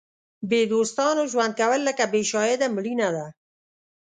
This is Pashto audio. بې دوستانو ژوند کول لکه بې شاهده مړینه ده.